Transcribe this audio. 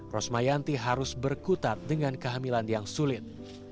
rosmayanti harus berkutat dengan kehamilan yang sulit